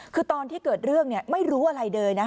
คือตอนที่เกิดเรื่องไม่รู้อะไรเลย